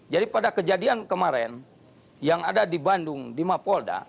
jadi pada kejadian kemarin yang ada di bandung di mak polda